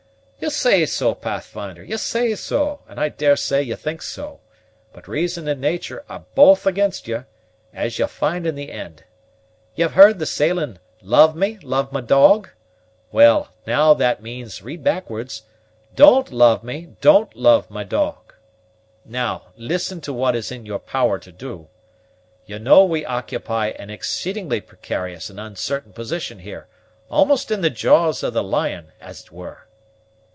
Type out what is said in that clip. "Ye say so, Pathfinder, ye say so, and I daresay ye think so; but reason and nature are both against you, as ye'll find in the end. Ye've heard the saying 'love me, love my dog:' well, now, that means, read backwards, 'don't love me, don't love my dog.' Now, listen to what is in your power to do. You know we occupy an exceedingly precarious and uncertain position here, almost in the jaws of the lion, as it were?"